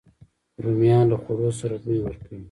رومیان له خوړو سره بوی ورکوي